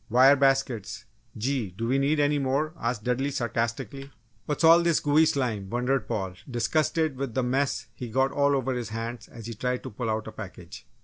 "Wire baskets! Gee, do we need any more?" asked Dudley, sarcastically. "What's all this gooey slime!" wondered Paul, disgusted with the mess he got all over his hands as he tried to pull out a package.